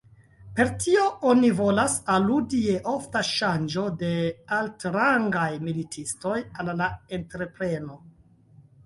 Per tio oni volas aludi je ofta ŝanĝo de altrangaj militistoj al la entrepreno.